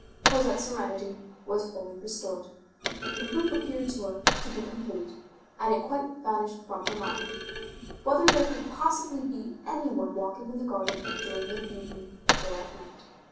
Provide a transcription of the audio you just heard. Cosette's serenity was fully restored. The proof appeared to her to be complete, and it quite vanished from her mind, whether there could possibly be any one walking in the garden during the evening or at night.